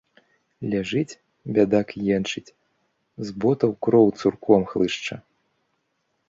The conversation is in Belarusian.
Ляжыць, бядак, енчыць, з ботаў кроў цурком хлышча.